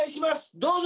どうぞ。